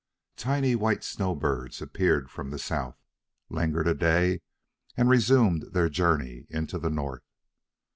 Tiny white snow birds appeared from the south, lingered a day, and resumed their journey into the north.